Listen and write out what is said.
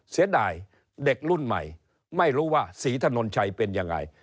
เสียดายเด็กรุ่นใหม่ไม่รู้ว่าศรีถนนชัยเป็นยังไง